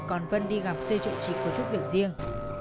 còn vân đi gặp sư trụ trị của chúc được riêng